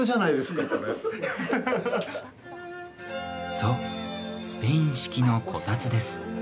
そう、スペイン式のこたつです。